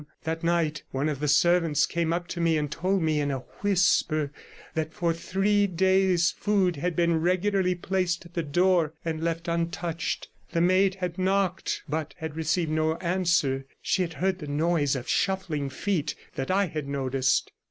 That night one of the servants came up to me and told me in a whisper that for three days food had been regularly placed at the door and left untouched; the maid had knocked but had received no answer; she had heard the noise of shuffling feet that I had noticed.